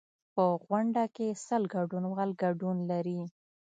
په غونډه کې سل ګډونوال ګډون لري.